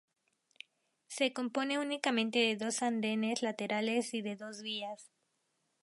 Se compone únicamente de dos andenes laterales y de dos vías.